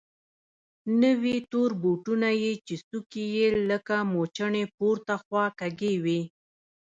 نوي تور بوټونه يې چې څوکې يې لکه موچڼې پورته خوا کږې وې.